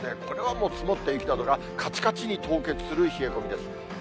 これはもう積もった雪などがかちかちに凍結する冷え込みです。